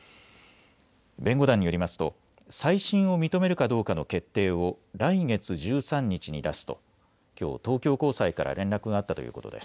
弁護団によりますと再審を認めるかどうかの決定を来月１３日に出すときょう東京高裁から連絡があったということです。